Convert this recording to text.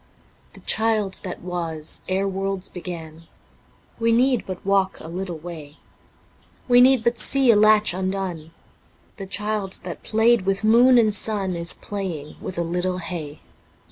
The Child that was ere worlds begun (... We need but walk a little way ... We need but see a latch undone ...), The Child that played with moon and sun Is playing with a little hay.